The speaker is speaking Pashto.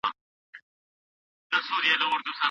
د بازار خلګ لږ قيمت ورکوي.